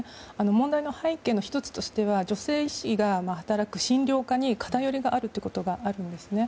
問題の背景の１つとしては女性医師が働く診療科に偏りがあるということがあるんですね。